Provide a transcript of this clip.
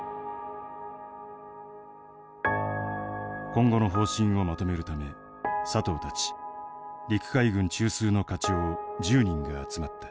今後の方針をまとめるため佐藤たち陸海軍中枢の課長１０人が集まった。